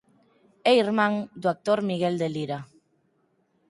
É irmán do actor Miguel de Lira.